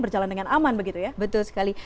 berjalan dengan aman begitu ya betul sekali